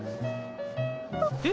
え？